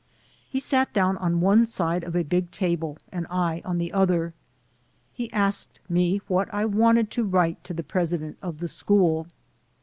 He sat down on one side of a big table and I on the other. He asked me what I wanted to write to the president of the school.